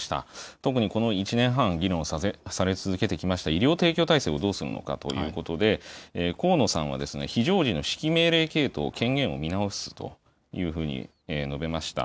特に、この１年半、議論され続けてきました、医療提供体制をどうするのかということで、河野さんは、非常時の指揮命令系統権限を見直すというふうに述べました。